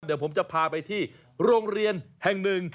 เดี๋ยวผมจะพาไปที่โรงเรียนแห่งหนึ่ง